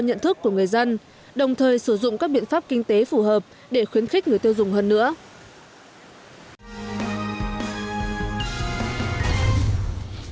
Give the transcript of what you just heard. nhận thức của người dân đồng thời sử dụng các biện pháp kinh tế phù hợp để khuyến khích người tiêu dùng hơn nữa